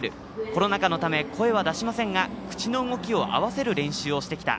コロナ禍のため声は出しませんが口の動きは合わせてきた。